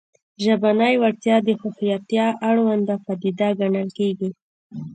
ژبنۍ وړتیا د هوښیارتیا اړونده پدیده ګڼل کېږي